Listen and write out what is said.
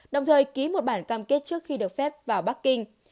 đồng thời ký một bản cam kết trước khi được phép vào bắc kinh